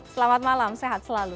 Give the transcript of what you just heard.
selamat malam sehat selalu